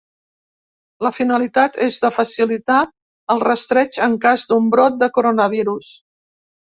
La finalitat és de facilitar el rastreig en cas d’un brot de coronavirus.